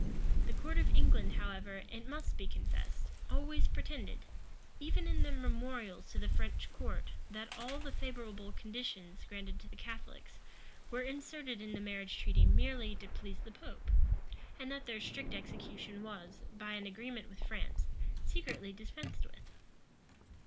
The court of England, however, it must be confessed, always pretended, even in their memorials to the French court that all the favorable conditions granted to the Catholics, were inserted in the marriage treaty merely to please the pope, and that their strict execution was, by an agreement with France, secretly dispensed with.[] * Rushworth, vol. i. p. 152. See note HHH, at the end of the volume.